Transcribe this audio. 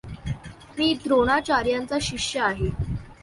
मी द्रोणाचार्यांचा शिष्य आहे.